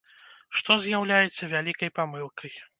Што з'яўляецца вялікай памылкай.